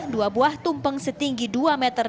dua buah tumpeng setinggi dua meter